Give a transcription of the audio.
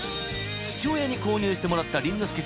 ［父親に購入してもらった凛之